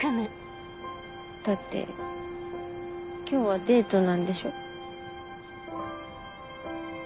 だって今日はデートなんでしょ？